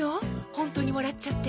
ホントにもらっちゃって。